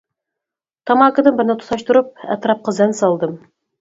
تاماكىدىن بىرنى تۇتاشتۇرۇپ ئەتراپقا زەن سالدىم.